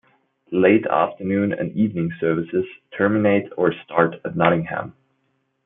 Late afternoon and evening services terminate or start at Nottingham.